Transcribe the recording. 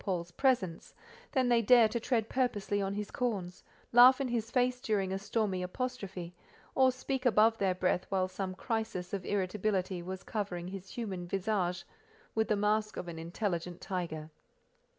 Paul's presence, than they dare tread purposely on his corns, laugh in his face during a stormy apostrophe, or speak above their breath while some crisis of irritability was covering his human visage with the mask of an intelligent tiger.